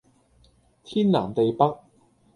天南地北